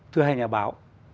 thưa hai nhà báo